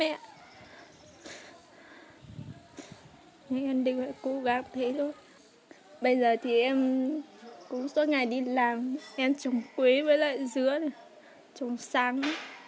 em trồng quý với lại dứa trồng sáng